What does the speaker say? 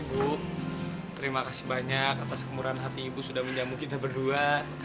bu terima kasih banyak atas kemurahan hati ibu sudah menjamu kita berdua